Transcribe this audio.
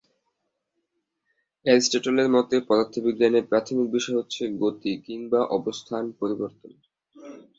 Aristotle এর মতে পদার্থবিজ্ঞানের প্রাথমিক বিষয় হচ্ছে গতি কিংবা অবস্থান পরিবর্তন।